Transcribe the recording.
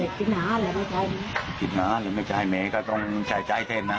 ถ้าแกกินหาหรือไม่กินหาไม่จ่ายเม็ดก็ต้องจ่ายเถ้นนะ